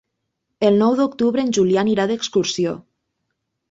El nou d'octubre en Julià anirà d'excursió.